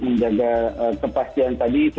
menjaga kepastian tadi